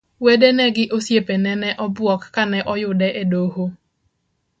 Wedene gi osiepene ne obuok kane oyude e doho.